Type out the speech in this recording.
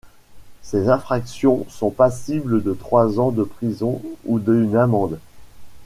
Ces infractions sont passibles de trois ans de prison ou d'une amende.